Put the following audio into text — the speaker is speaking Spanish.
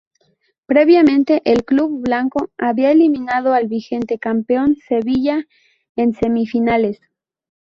Previamente, el club blanco había eliminado al vigente campeón, Sevilla en semifinales.